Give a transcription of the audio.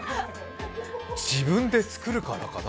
自分で作るからかな？